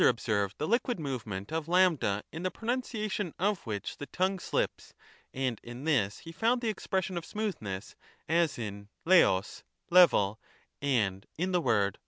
373 42} observed the liquid movement of A, in the pronunciation of which the tongue shps, and in this he found the expression of smoothness, as in Xuoq (level), and in the word 6?